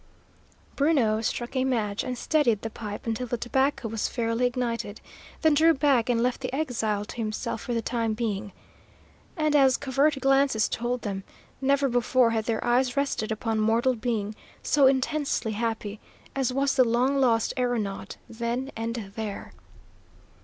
Bruno struck a match and steadied the pipe until the tobacco was fairly ignited, then drew back and left the exile to himself for the time being. And, as covert glances told them, never before had their eyes rested upon mortal being so intensely happy as was the long lost aeronaut then and there.